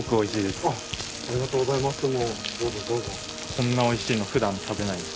こんなおいしいのふだん食べないんで。